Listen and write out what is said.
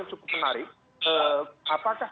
cukup menarik apakah